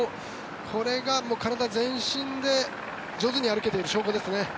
これが体全身で上手に歩けている証拠ですね。